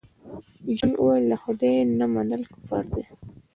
جون وویل د خدای نه منل کفر دی